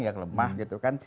yang lemah gitu kan